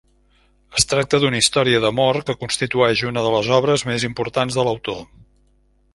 Es tracta d'una història d'amor que constitueix una de les obres més importants de l'autor.